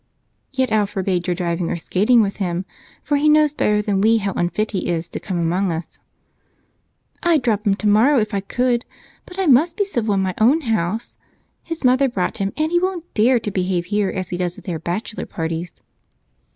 "Yet Alf forbade you driving or skating with him, for he knows better than we how unfit he is to come among us." "I'd drop him tomorrow if I could, but I must be civil in my own house. His mother brought him, and he won't dare to behave here as he does at their bachelor parties."